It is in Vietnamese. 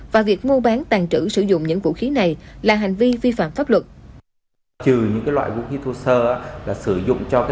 và việc mua bán tàn trữ sử dụng những vũ khí này là hành vi vi phạm pháp luật